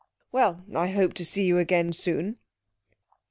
Well, I hope to see you again soon.'